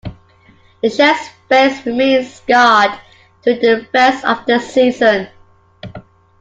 The Chef's face remained scarred through the rest of the season.